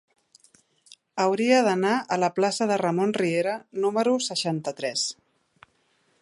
Hauria d'anar a la plaça de Ramon Riera número seixanta-tres.